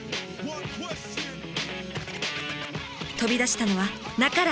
飛び出したのは半井！